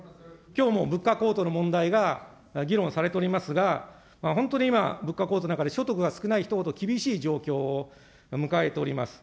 きょうも物価高騰の問題が議論されておりますが、本当に今、物価高騰の中で所得が少ない人ほど厳しい状況を迎えております。